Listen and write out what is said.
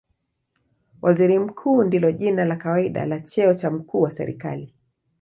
Waziri Mkuu ndilo jina la kawaida la cheo cha mkuu wa serikali.